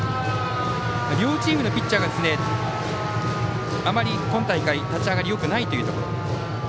両チームのピッチャーがあまり今大会立ち上がりよくないというところ。